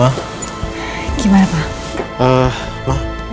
aku banget kamu